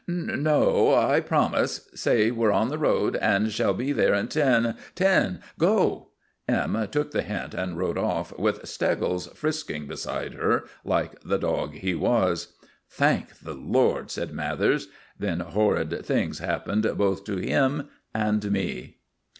"No; I promise. Say we're on the road and shall be there in ten ten Go!" M. took the hint and rode off, with Steggles frisking beside her, like the dog he was. "Thank the Lord!" said Mathers. Then horrid things happened both to him and me.